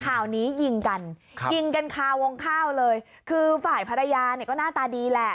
ข่าวนี้ยิงกันยิงกันคาวงข้าวเลยคือฝ่ายภรรยาเนี่ยก็หน้าตาดีแหละ